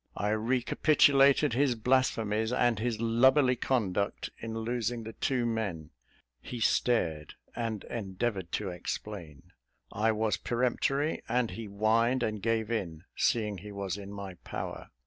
I recapitulated his blasphemies, and his lubberly conduct in losing the two men; he stared and endeavoured to explain; I was peremptory, and he whined and gave in, seeing he was in my power.